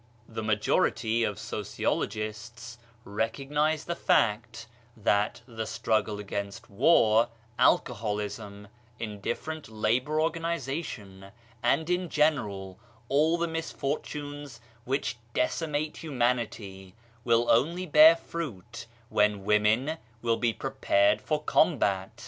The majority of sociologists recognise the fact that the struggle against war, alcoholism, indiffer ent labour organisation, and in general all the misfortunes which decimate humanity, will only bear fruit when women will be prepared for combat.